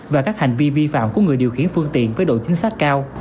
và các hành vi vi phạm của người điều khiển phương tiện với độ chính xác cao